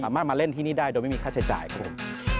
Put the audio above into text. มาเล่นที่นี่ได้โดยไม่มีค่าใช้จ่ายครับผม